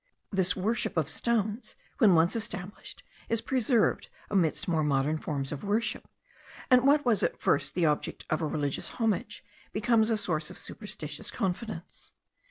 This worship of stones, when once established, is preserved amidst more modern forms of worship; and what was at first the object of religious homage, becomes a source of superstitious confidence.